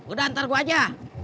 udah ntar gua aja